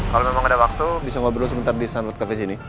kalau memang ada waktu bisa ngobrol sebentar di stanford cafe sini